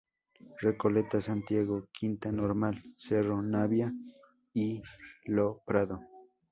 Recoleta, Santiago, Quinta Normal, Cerro Navia y Lo Prado.